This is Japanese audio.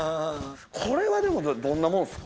これはでもどんなもんっすか？